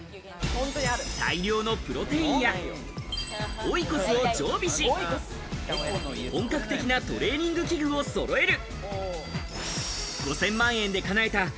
大量のプロテインやオイコスを常備し、本格的なトレーニング器具を揃える。